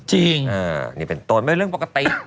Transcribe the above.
จริงนี่เป็นตนไม่เรื่องปกติ